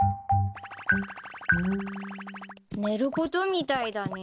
寝ることみたいだね。